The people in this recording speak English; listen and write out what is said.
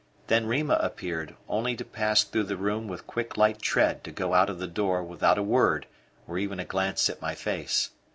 Then Rima appeared only to pass through the room with quick light tread to go out of the door without a word or even a glance at my face.